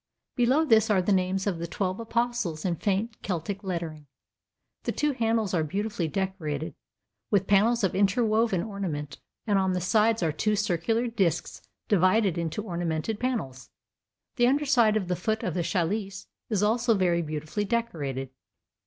Below this are the names of the twelve Apostles in faint Celtic lettering. The two handles are beautifully decorated with panels of interwoven ornament, and on the sides are two circular discs divided into ornamented panels. The under side of the foot of the Chalice is also very beautifully decorated.